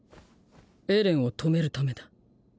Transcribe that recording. エレンを止めるためだ。